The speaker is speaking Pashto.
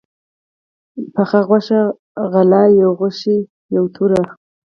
پخه غوښه، غله، يو غشى، يوه توره